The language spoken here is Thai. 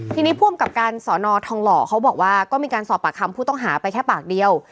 ทีนี้ผู้อำกับการสอนอทองหล่อเขาบอกว่าก็มีการสอบปากคำผู้ต้องหาไปแค่ปากเดียว